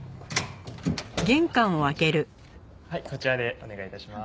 はいこちらでお願い致します。